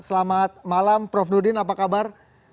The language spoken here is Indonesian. selamat malam prof nudin apa kabar